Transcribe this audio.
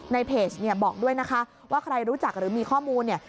ในเพจเนี่ยบอกด้วยนะคะว่าใครรู้จักหรือมีข้อมูลเนี่ย